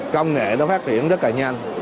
công nghệ nó phát triển rất là nhanh